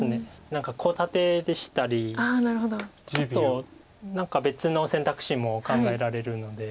何かコウ立てでしたりちょっと何か別の選択肢も考えられるので。